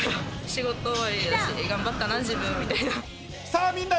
仕事終わりだし、頑張ったな自分みたいな。